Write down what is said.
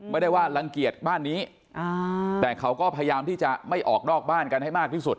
ไม่ได้ว่ารังเกียจบ้านนี้แต่เขาก็พยายามที่จะไม่ออกนอกบ้านกันให้มากที่สุด